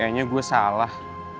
kayaknya gue salah